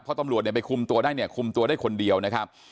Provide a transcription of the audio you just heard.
พอตำรวจเนี่ยไปคุมตัวได้เนี่ยคุมตัวได้คนเดียวนะครับ